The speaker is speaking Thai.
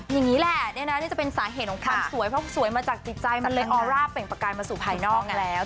อย่างนี้แหละนี่นะนี่จะเป็นสาเหตุของความสวยเพราะสวยมาจากจิตใจมันเลยออร่าเปล่งประกายมาสู่ภายนอกแล้ว